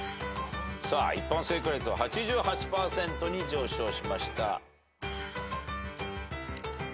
さあ一般正解率は８８％に上昇しました。